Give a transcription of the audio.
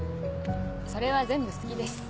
それは全部好きです。